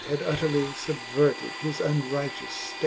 Had utterly fubverted his unrighteous ftate, III.